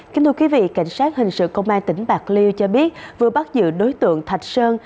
kính thưa quý vị cảnh sát hình sự công an tỉnh bạc liêu cho biết vừa bắt giữ đối tượng thạch sơn